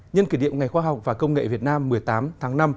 nhân kỷ niệm ngày khoa học và công nghệ việt nam một mươi tám tháng năm